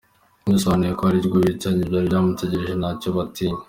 Bisobanuye ko abo bicanyi bari bamutegereje, ntacyo batinya.